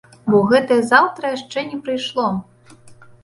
Бо гэтае заўтра яшчэ не прыйшло.